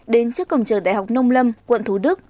đến trước cổng trường đại học nông lâm quận thủ đức